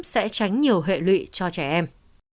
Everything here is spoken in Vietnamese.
sẽ tránh nhiều hệ lụy cho trẻ em